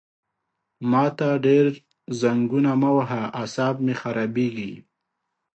ما ته ډېر زنګونه مه وهه عصاب مې خرابېږي!